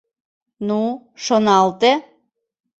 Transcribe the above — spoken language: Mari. Ну, шоналте?!.